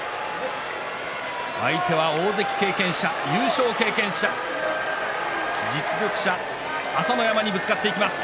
相手は大関経験者、優勝経験者実力者、朝乃山にぶつかっていきます。